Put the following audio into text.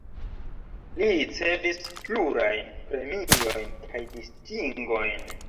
Li ricevis plurajn premiojn kaj distingojn.